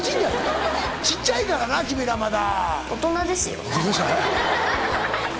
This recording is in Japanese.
小っちゃいからな君らまだ。